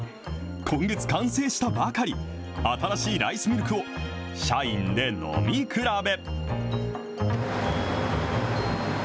今月完成したばかり、新しいライスミルクを社員で飲み比べ。